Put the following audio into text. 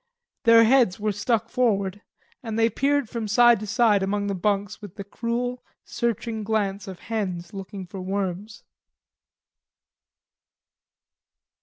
Their heads were stuck forward and they peered from side to side among the bunks with the cruel, searching glance of hens looking for worms.